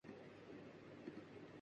واے! کہ یہ فسردہ دل‘ بے دل و بے دماغ ہے